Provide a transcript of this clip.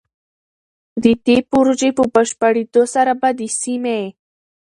د دې پروژې په بشپړېدو سره به د سيمې